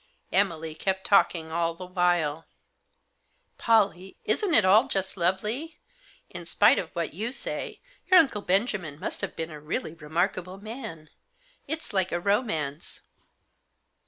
Emily kept talking all the while. "Pollie, isn't it all just lovely? In spite of what you say, your Uncle Benjamin must have been a really remarkable man. It's like a romance."